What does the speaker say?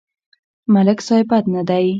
ملک صيب بد نه دی.